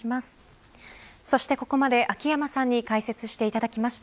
そして、ここまで秋山さんに解説していただきました。